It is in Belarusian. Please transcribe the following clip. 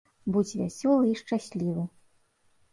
Будзь вясёлы і шчаслівы!